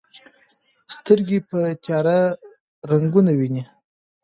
سترګې په تیاره رنګونه ویني.